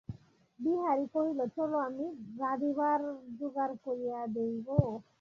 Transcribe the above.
বিহারী কহিল, চলো, আমি রাঁধিবার জোগাড় করিয়া দিই গে।